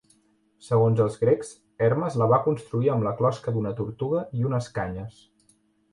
Segons els grecs, Hermes la va construir amb la closca d'una tortuga i unes canyes.